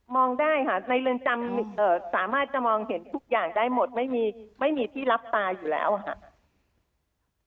ได้ค่ะในเรือนจำสามารถจะมองเห็นทุกอย่างได้หมดไม่มีที่รับตาอยู่แล้วค่ะ